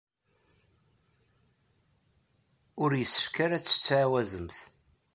Ur yessefk ara ad tettɛawazemt.